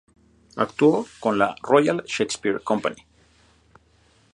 Actuó con la Royal Shakespeare Company.